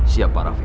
siap pak rafiq